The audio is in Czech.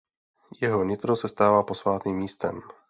Jeho nitro se stává posvátným místem.